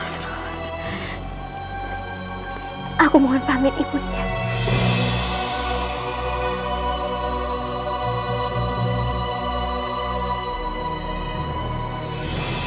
ibu lebih nunggu aduh sudah semuanya awkward